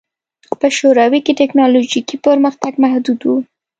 په شوروي کې ټکنالوژیکي پرمختګ محدود و